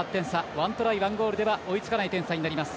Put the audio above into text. １トライ１ゴールでは追いつかない点差になります。